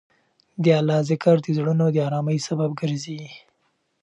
د الله ذکر د زړونو د ارامۍ سبب ګرځي.